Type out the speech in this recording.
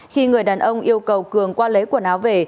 khi người đàn ông yêu cầu cường qua lấy quần áo về